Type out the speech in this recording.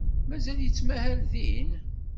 Mazal yettmahal din?